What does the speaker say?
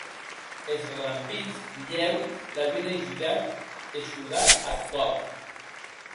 Es relampits dilhèu l’auien ajudat e shordat ath còp.